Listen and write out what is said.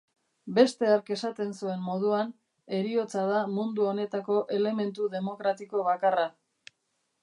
Beste hark esaten zuen moduan, heriotza da mundu honetako elementu demokratiko bakarra.